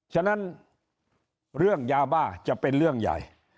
ฉะนั้นเรื่องยาบ้าจะเป็นเรื่องใหญ่